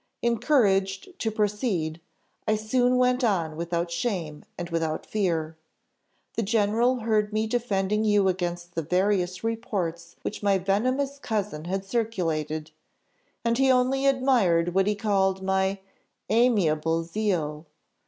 Encouraged to proceed, I soon went on without shame and without fear. The general heard me defending you against the various reports which my venomous cousin had circulated, and he only admired what he called 'my amiable zeal.